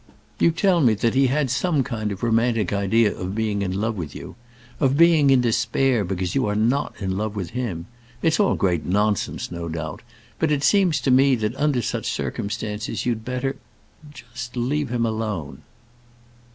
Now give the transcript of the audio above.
You tell me that he has some kind of romantic idea of being in love with you; of being in despair because you are not in love with him. It's all great nonsense, no doubt, but it seems to me that under such circumstances you'd better just leave him alone."